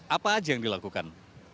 apa saja yang dilakukan